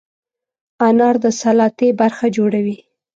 انار د سلاتې برخه جوړوي.